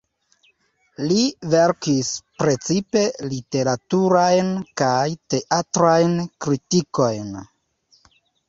Li verkis precipe literaturajn kaj teatrajn kritikojn.